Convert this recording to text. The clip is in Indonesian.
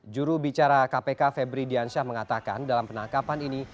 juru bicara kpk febri diansyah mengatakan dalam penangkapan ini